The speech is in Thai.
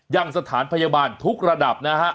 ยังสถานพยาบาลทุกระดับนะฮะ